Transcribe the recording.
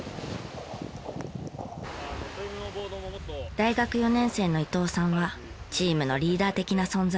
大学４年生の伊藤さんはチームのリーダー的な存在。